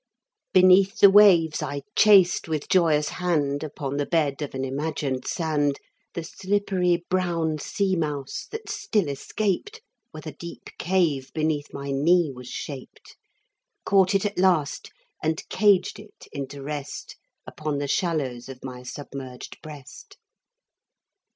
Beneath the waves I chased with joyous hand Upon the bed of an imagined sand The slippery brown sea mouse, that still escaped, Where the deep cave beneath my knee was shaped. Caught it at last and caged it into rest Upon the shallows of my submerged breast.